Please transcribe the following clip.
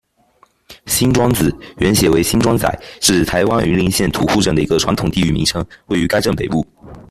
新庄子，原写为新庄仔，是台湾云林县土库镇的一个传统地域名称，位于该镇北部。